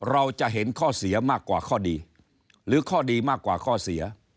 เราจะเห็นข้อเสียมากกว่าข้อดีหรือข้อดีมากกว่าข้อเสีย